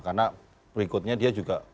karena berikutnya dia juga